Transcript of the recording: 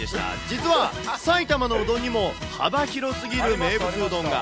実は埼玉のうどんにも、幅広すぎる名物うどんが。